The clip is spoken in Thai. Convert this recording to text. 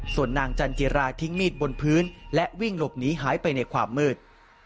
ส่วนนางจันจิราทิ้งมีดบนพื้นและวิ่งหลบหนีหายไปในความมืด